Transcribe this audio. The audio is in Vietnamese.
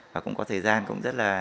và cũng có thời gian cũng rất là